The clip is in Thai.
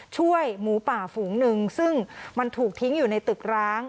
ช่วยหมูป่าฝูงหนึ่งซึ่งมันถูกทิ้งอยู่ในตึกร้าง